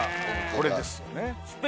これですよね。